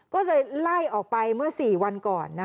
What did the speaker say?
ก็เลยไล่ออกไปเมื่อ๔วันก่อน